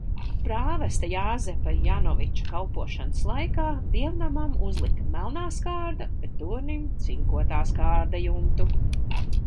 Prāvesta Jāzepa Janoviča kalpošanas laikā dievnamam uzlika melnā skārda, bet tornim cinkotā skārda jumtu.